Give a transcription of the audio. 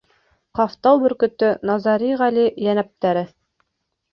— Ҡафтау бөркөтө Назари ғәли йәнәптәре...